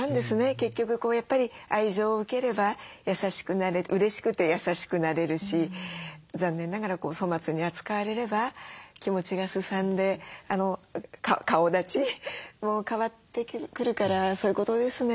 結局やっぱり愛情を受ければうれしくて優しくなれるし残念ながら粗末に扱われれば気持ちがすさんで顔だちも変わってくるからそういうことですね。